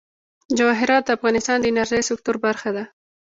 جواهرات د افغانستان د انرژۍ سکتور برخه ده.